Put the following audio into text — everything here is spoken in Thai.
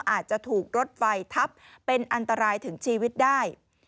อาจจะถูกรถไฟทับเป็นอันตรายถึงชีวิตได้